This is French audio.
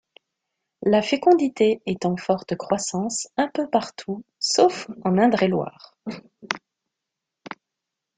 La fécondité est en forte croissance un peu partout sauf en Indre-et-Loire.